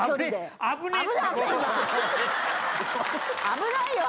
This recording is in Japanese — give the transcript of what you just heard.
危ないよ。